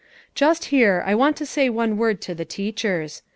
"Just here, I want to say one word to the teachers.